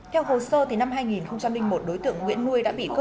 theo hồ sơ năm hai nghìn một đối tượng nguyễn nuôi đã bị khổ